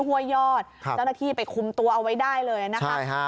ห้วยยอดครับแล้วที่ไปคุมตัวเอาไว้ได้เลยนะครับใช่ฮะ